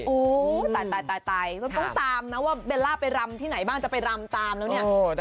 ตายตายต้องตามนะว่าเบลล่าไปรำที่ไหนบ้างจะไปรำตามแล้วเนี่ย